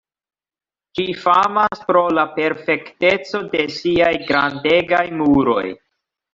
Ĝi famas pro la perfekteco de siaj grandegaj muroj.